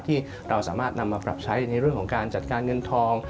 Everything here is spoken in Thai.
ที่เราสามารถนำมาปรับใช้ในเรื่องของการจัดการเงินทอง